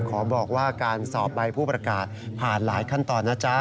ขอบอกว่าการสอบใบผู้ประกาศผ่านหลายขั้นตอนนะจ๊ะ